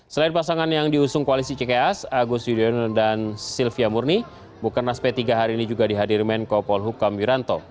selain pasangan yang diusung koalisi cks agus yudhoyono dan silvia murni bukanas p tiga hari ini juga dihadir menko polhukam wiranto